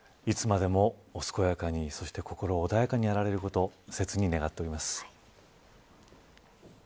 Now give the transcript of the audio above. いつまでもお健やかに、そして心穏やかになられることを切に願っております。